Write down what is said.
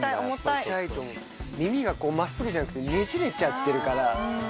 耳が真っすぐじゃなくてねじれちゃってるから。